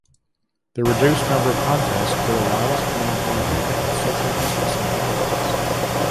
The reduced number of contests will allow us to maintain adequate social distancing protocols.